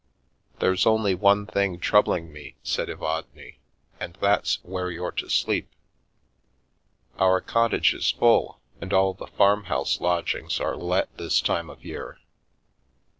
" There's only one thing troubling me," said Evadne, " and that's where you're to sleep. Our cottage is full, and all the farmhouse lodgings are let this time of year.